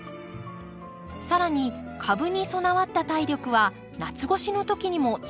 更に株に備わった体力は夏越しの時にも力を発揮します。